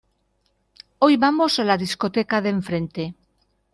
Hoy vamos a la discoteca de enfrente.